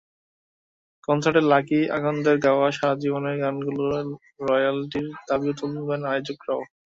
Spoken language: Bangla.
কনসার্টে লাকী আখান্দে্র গাওয়া সারা জীবনের গানগুলোর রয়্যালটির দাবিও তুলবেন আয়োজকেরা।